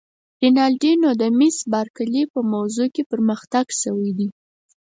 رینالډي: نو د مس بارکلي په موضوع کې پرمختګ شوی دی؟